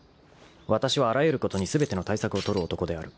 ［わたしはあらゆることに全ての対策を取る男である］